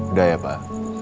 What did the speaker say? udah ya pak